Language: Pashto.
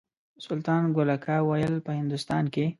سلطان ګل اکا ویل په هندوستان کې.